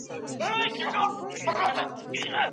موږ د پښتو ادب د ښه راتلونکي هیله لرو.